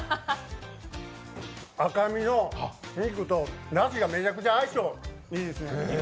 赤身の肉とだしが相性めちゃめちゃいいですね。